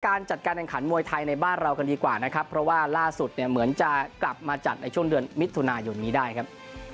การจัดการแข่งขันมวยไทยในบ้านเรากันดีกว่านะครับเพราะว่าล่าสุดเนี่ยเหมือนจะกลับมาจัดในช่วงเดือนมิถุนายนนี้ได้ครับ